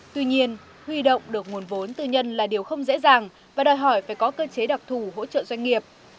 tuy nhiên huy động được nguồn vốn tư nhân là điều không dễ dàng và đòi hỏi phải có cơ chế đặc thù hỗ trợ doanh nghiệp